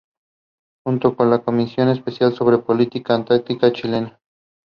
The artist lives in Figueres.